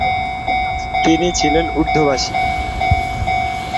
তিনি ছিলেন উর্দুভাষী।